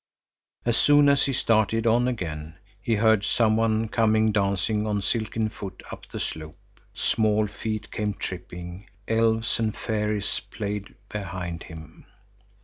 As soon as he started on again, he heard some one come dancing on silken foot up the slope. Small feet came tripping. Elves and fairies played behind him.